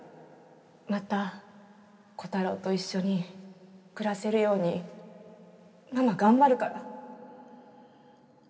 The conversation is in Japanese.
またこたろうと一緒に暮らせるようにママ頑張るから。